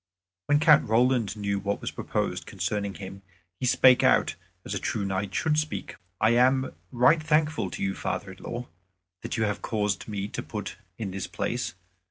When Count Roland knew what was proposed concerning him, he spake out as a true knight should speak: "I am right thankful to you, father in law, that you have caused me to be put in this place.